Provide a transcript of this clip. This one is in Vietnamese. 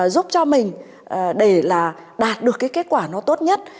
giúp cho mình để là đạt được cái kết quả nó tốt nhất